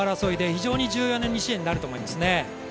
非常に重要な２試合になると思います。